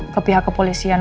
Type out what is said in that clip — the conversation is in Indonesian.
ke pihak kepolisiannya